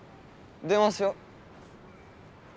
電話しよ？